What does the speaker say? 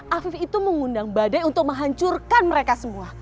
afif itu mengundang badai untuk menghancurkan mereka semua